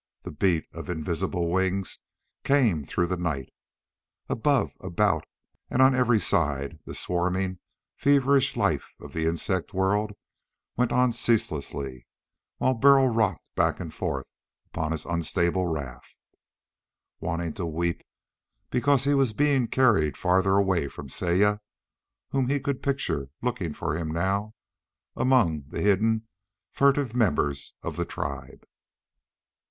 The beat of invisible wings came through the night. Above, about, on every side the swarming, feverish life of the insect world went on ceaselessly, while Burl rocked back and forth upon his unstable raft, wanting to weep because he was being carried farther away from Saya whom he could picture looking for him, now, among the hidden, furtive members of the tribe.